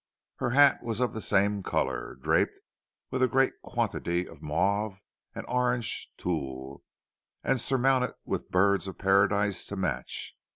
Her hat was of the same colour, draped with a great quantity of mauve and orange tulle, and surmounted with birds of paradise to match.